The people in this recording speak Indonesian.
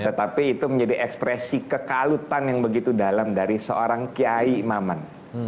tetapi itu menjadi ekspresi kekalutan yang begitu dalam dari seorang kiai imaman